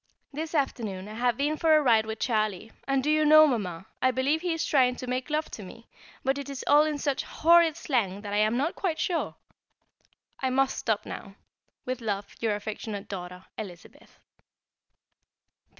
This afternoon I have been for a ride with Charlie, and do you know, Mamma, I believe he is trying to make love to me, but it is all in such horrid slang that I am not quite sure. I must stop now. With love, from your affectionate daughter, Elizabeth.